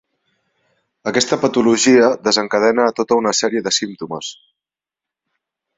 Aquesta patologia desencadena tota una sèrie de símptomes.